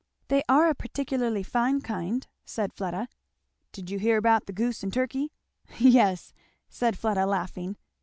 "They are a particularly fine kind," said Fleda. "Did you hear about the goose and turkey?" "Yes," said Fleda laughing.